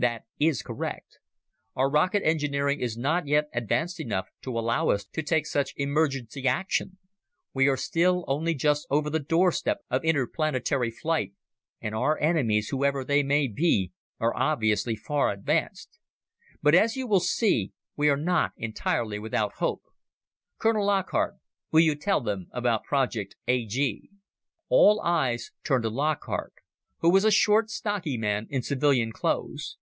"That is correct. Our rocket engineering is not yet advanced enough to allow us to take such emergency action. We are still only just over the doorstep of interplanetary flight and our enemies, whoever they may be, are obviously far advanced. But, as you will see, we are not entirely without hope. Colonel Lockhart, will you tell them about Project A G?" All eyes turned to Lockhart, who was a short, stocky man in civilian clothes.